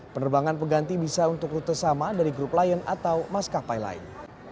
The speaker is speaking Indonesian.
penerbangan peganti bisa untuk rute sama dari grup lion atau maskapai lain